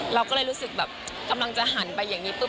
เราก็เลยรู้สึกแบบกำลังจะหันไปอย่างนี้ปุ๊